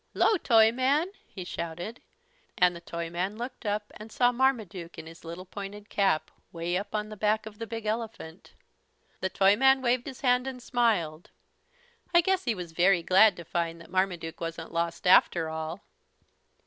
"'Llo, Toyman," he shouted, and the Toyman looked up and saw Marmaduke in his little pointed cap, way up on the back of the big elephant. The Toyman waved his hand and smiled. I guess he was very glad to find that Marmaduke wasn't lost after all.